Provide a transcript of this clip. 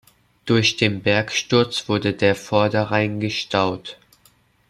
Durch den Bergsturz wurde der Vorderrhein gestaut.